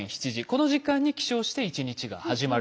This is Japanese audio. この時間に起床して１日が始まるわけです。